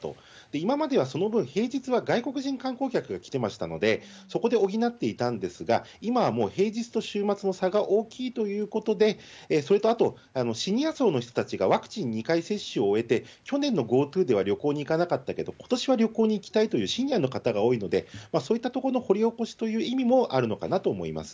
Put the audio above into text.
今まではその分、平日は外国人観光客が来てましたので、そこで補っていたんですが、今はもう平日と週末の差が大きいということで、それとあと、シニア層の人たちがワクチン２回接種を終えて、去年のＧｏＴｏでは旅行に行かなかったけど、ことしは旅行に行きたいというシニアの方が多いので、そういったところの掘り起こしという意味もあるのかなと思います。